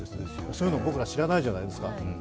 そういうの僕ら知らないじゃないですか。